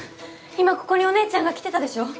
今ここにお姉ちゃんが来てたでしょ！？